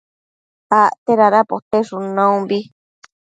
acte dada poteshun naumbi